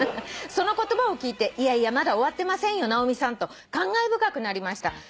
「その言葉を聞いて『いやいやまだ終わってませんよ直美さん』と感慨深くなりました」